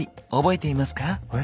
え？